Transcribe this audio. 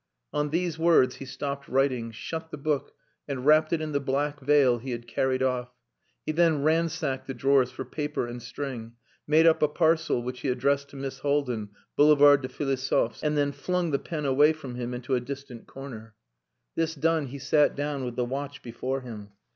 On these words, he stopped writing, shut the book, and wrapped it in the black veil he had carried off. He then ransacked the drawers for paper and string, made up a parcel which he addressed to Miss Haldin, Boulevard des Philosophes, and then flung the pen away from him into a distant corner. This done, he sat down with the watch before him.